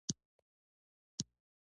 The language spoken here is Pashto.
د بښنې خصلت خپل کړئ.